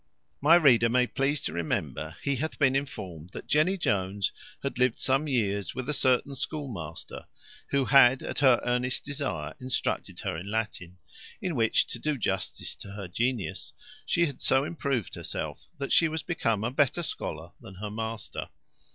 My reader may please to remember he hath been informed that Jenny Jones had lived some years with a certain schoolmaster, who had, at her earnest desire, instructed her in Latin, in which, to do justice to her genius, she had so improved herself, that she was become a better scholar than her master.